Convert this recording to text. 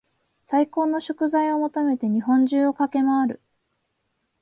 最高の食材を求めて日本中を駆け回る